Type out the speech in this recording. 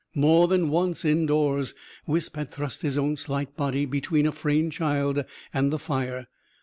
More than once, indoors, Wisp had thrust his own slight body between a Frayne child and the fire.